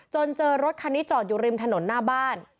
เจอรถคันนี้จอดอยู่ริมถนนหน้าบ้าน